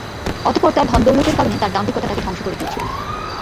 অতঃপর তার ধন-দৌলতের কারণে তার দাম্ভিকতা তাকে ধ্বংস করে দিয়েছিল।